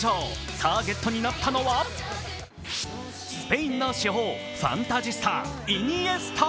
ターゲットになったのはスペインの至宝・ファンタジスタイニエスタ。